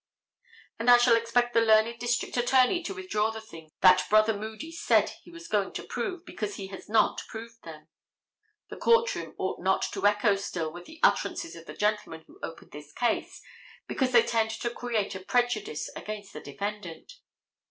And I shall expect the learned district attorney to withdraw the things that brother Moody said he was going to prove, because he has not proved them. The court room ought not to echo still with the utterances of the gentleman who opened this case, because they tend to create a prejudice against the defendant.